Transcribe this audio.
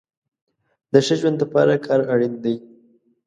د ښه ژوند د پاره کار اړين دی